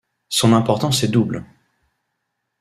Son importance est double.